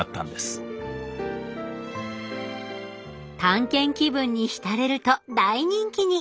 探検気分に浸れると大人気に！